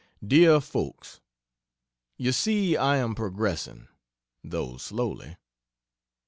DEAR FOLKS, You see I am progressing though slowly.